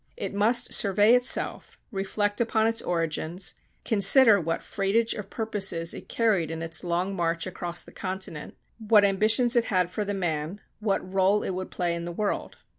It must survey itself, reflect upon its origins, consider what freightage of purposes it carried in its long march across the continent, what ambitions it had for the man, what rôle it would play in the world.